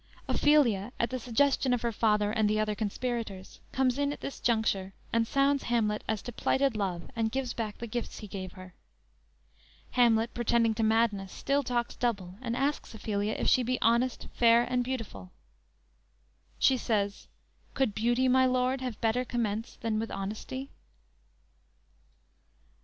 "_ Ophelia at the suggestion of her father and the other conspirators, comes in at this juncture and sounds Hamlet as to plighted love and gives back the gifts he gave her. Hamlet pretending to madness still talks double and asks Ophelia if she be honest, fair and beautiful. She says: "Could beauty, my lord, have better commerce than with honesty?"